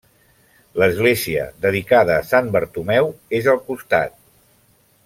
L'església, dedicada a Sant Bartomeu, és al costat.